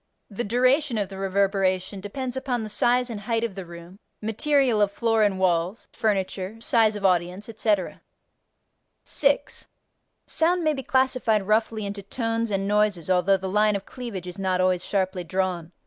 The duration of the reverberation depends upon the size and height of the room, material of floor and walls, furniture, size of audience, etc. 6. Sound may be classified roughly into tones and noises although the line of cleavage is not always sharply drawn.